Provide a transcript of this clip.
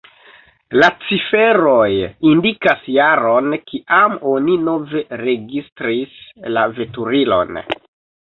La ciferoj indikas jaron, kiam oni nove registris la veturilon.